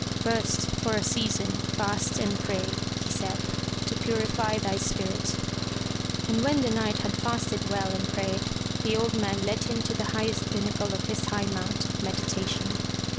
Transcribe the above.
"First for a season, fast and pray,'* he said, to purify thy spirit/' And when the Knight had fasted well and prayed, the old man led him to the highest pinnacle of his high mount of meditation.